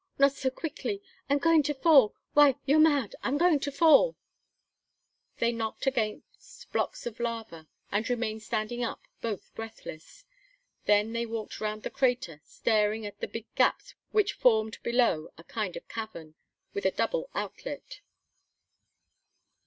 not so quickly I'm going to fall why, you're mad I'm going to fall!" They knocked against the blocks of lava, and remained standing up, both breathless. Then they walked round the crater staring at the big gaps which formed below a kind of cavern, with a double outlet.